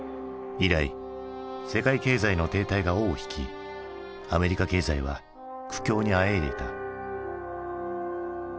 以来世界経済の停滞が尾を引きアメリカ経済は苦境にあえいでいた。